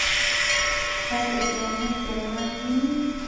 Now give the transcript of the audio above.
هلته بیا نور جمال ويني.